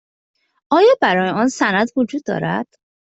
آیا برای آن سند وجود دارد؟